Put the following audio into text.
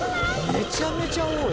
めちゃめちゃ多い。